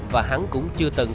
và hắn cũng chưa từng